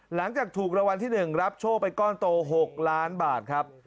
หลังจากถูกรางวัลที่๑รับโชคไปก้อนโต๖ล้านบาทครับ